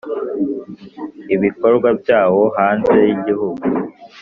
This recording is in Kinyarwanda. ibikorwa byawo hanze y igihugu